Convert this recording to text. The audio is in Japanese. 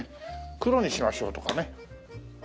黒にしましょうとかね。